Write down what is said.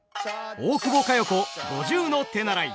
大久保佳代子五十の手習い。